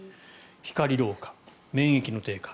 光老化免疫の低下。